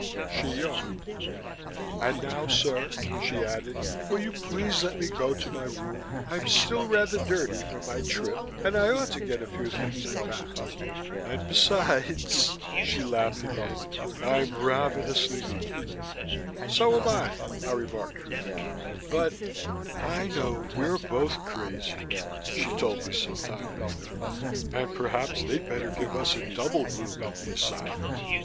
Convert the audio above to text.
She yawned. "And now, sir," she added, "will you please let me go to my room. I'm still rather dirty from my trip and I ought to get a few things unpacked. And besides," she laughed again, "I'm ravenously hungry." "So am I," I remarked truthfully, "but " "I know we're both crazy," she told me some time later, "and perhaps they'd better give us a double room at the asylum.